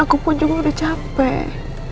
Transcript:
aku pun juga udah capek